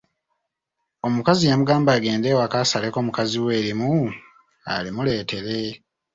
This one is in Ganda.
Omukazi yamugamba agende ewaka asaleko mukazi we erimu alimuleetere.